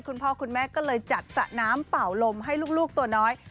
คุณพ่อคุณแม่ก็เลยจัดสระน้ำเป่าลมให้ลูกตัวน้อย